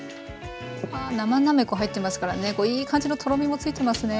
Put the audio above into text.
わあ生なめこ入ってますからねいい感じのとろみもついてますね。